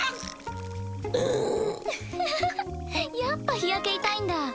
やっぱ日焼け痛いんだ。